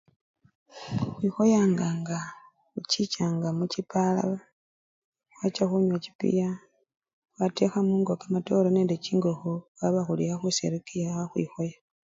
Khwikhoyanganga khuchichanga muchipala, khwacha khunywa chipiya, khwatekha mungo kamatore nende chingokho khwaba khuli khekhusyerekeya khekhwikhoya.